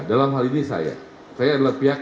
dalam hal ini saya saya adalah pihak